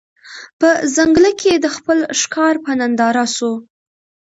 په ځنګله کي د خپل ښکار په ننداره سو